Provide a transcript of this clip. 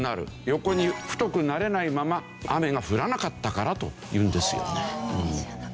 横に太くなれないまま雨が降らなかったからというんですよね。